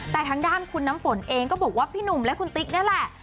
แต่ทางด้านคุณน้ำฝนเองก็บอกว่าพี่หนุ่มและคุณติ๊กนี่แหละ